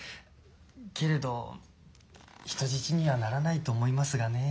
けれど人質にはならないと思いますがね